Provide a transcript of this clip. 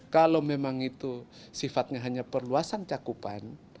kalau memang itu sifatnya hanya perluasan cakupan